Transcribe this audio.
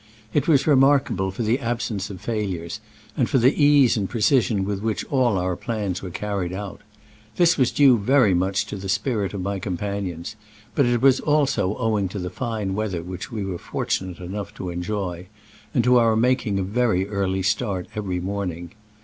It was remarkable for the absence of failures, and for the ease and precision with which all our plans were carried out. This was due very much to the spirit of my companions, but it was also owing to the fine weather which we were fortunate enough to enjoy, and to our making a very early start Digitized by Google 96 SCRAMBLES AMONGST THE ALP^ IN i86o '69. every morning.